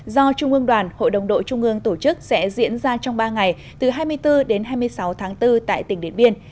do trung ương đoàn hội đồng đội trung ương tổ chức sẽ diễn ra trong ba ngày từ hai mươi bốn đến hai mươi sáu tháng bốn tại tỉnh điện biên